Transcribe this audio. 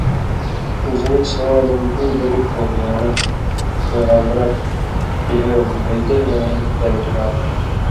زَیں سِواں دن دُو بلی ڇېلیان٘لہ (پېغمبر) ڇِہېوۡ بھژدہ اِوَیں پھېرٹیۡراؤ؛